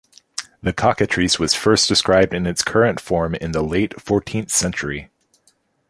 The cockatrice was first described in its current form in the late fourteenth century.